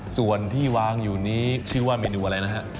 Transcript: ส่วนที่วางอยู่นี้ชื่อว่าเมนูอะไรนะฮะ